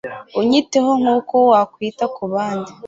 Unyiteho nkuko wakwita kubandi